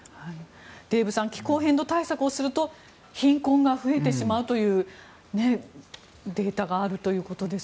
デーブさん気候変動対策をすると貧困が増えてしまうというデータがあるということです。